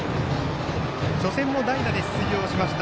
初戦も代打で出場しました。